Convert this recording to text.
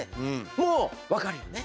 もう分かるよね？